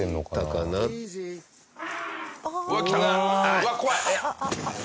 うわっ怖い！